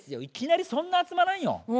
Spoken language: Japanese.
いきなりそんな集まらんよ。